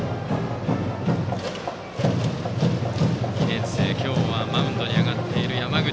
２年生、今日はマウンドに上がっている山口。